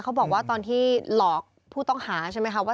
เขาบอกว่าตอนที่หลอกผู้ต้องหาใช่ไหมคะว่า